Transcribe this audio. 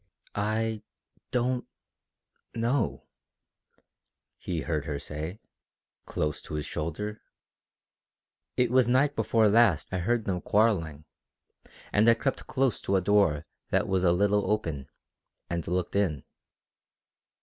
"I don't know," he heard her say, close to his shoulder. "It was night before last I heard them quarrelling, and I crept close to a door that was a little open, and looked in.